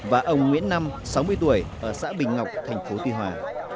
và ông nguyễn năm sáu mươi tuổi ở xã bình ngọc thành phố tuy hòa